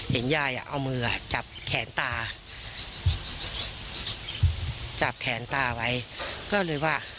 ยายอ่ะเอามือจับแขนตาจับแขนตาไว้ก็เลยว่า